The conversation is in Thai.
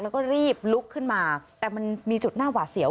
แล้วก็รีบลุกขึ้นมาแต่มันมีจุดหน้าหวาดเสียว